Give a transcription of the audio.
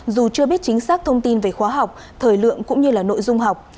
dù chưa biết chính xác thông tin về khóa học thời lượng cũng như nội dung học